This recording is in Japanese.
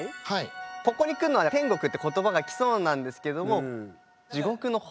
ここに来んのは天国って言葉が来そうなんですけども「地獄の方が」。